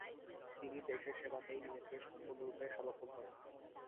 তিনি দেশের সেবাতেই নিজেকে সম্পূর্ণরূপে সমর্পণ করেন।